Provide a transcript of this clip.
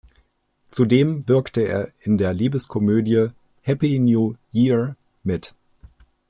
Zudem wirkte er in der Liebeskomödie "Happy New Year" mit.